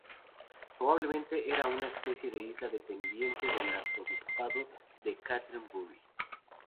Probablemente era una especie de isla dependiente del arzobispado de Canterbury.